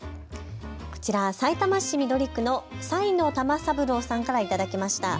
こちら、さいたま市緑区の埼の玉三郎さんから頂きました。